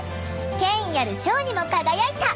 権威ある賞にも輝いた。